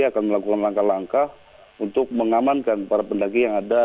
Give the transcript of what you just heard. akan melakukan langkah langkah untuk mengamankan para pendaki yang ada